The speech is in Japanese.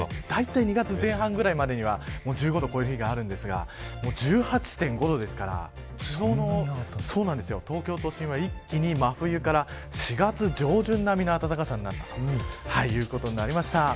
だいたい２月前半ぐらいまでには１５度を超える日があるんですが１８．５度ですから昨日の東京都心は一気に真冬から４月上旬並みの暖かさになったということになりました。